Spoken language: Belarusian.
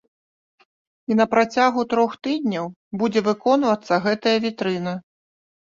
І на працягу трох тыдняў будзе выконвацца гэтая вітрына.